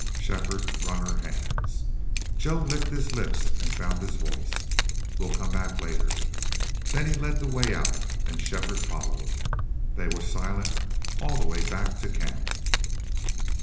Shefford wrung her hands. Joe licked his lips and found his voice: "We'll come back later." Then he led the way out and Shefford followed. They were silent all the way back to camp.